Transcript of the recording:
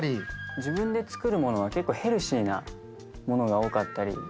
自分で作るものはヘルシーなものが多かったり。